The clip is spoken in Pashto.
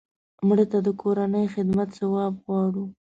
مړه ته د کورنۍ خدمت ثواب غواړو